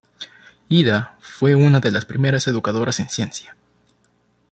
Ida fue una de las primeras educadoras en ciencia.